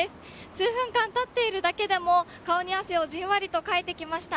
数分間立っているだけでも顔に汗をじんわりとかいてきました。